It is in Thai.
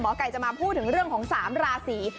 หมอไกจำมาพูดถึงเรื่องของสามราศี